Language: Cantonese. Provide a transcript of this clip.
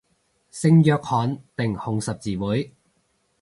聖約翰定紅十字會